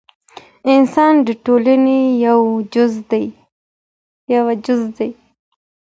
انسان د ټولني یو جز دی.